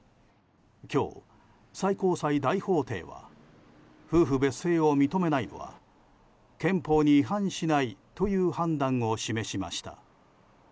今日、最高裁大法廷は夫婦別姓を認めないのは憲法に違反しないという判断を示しました。